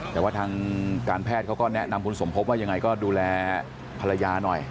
แต่ว่าทางการแพทย์เขาก็แนะนำคุณสมพบว่ายังไงก็ดูแลภรรยาหน่อย